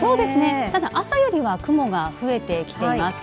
ただ朝よりは雲が増えてきています。